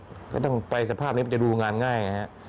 หลายท่าหนึ่งไปสภาพนี้มันจะดูงานง่าย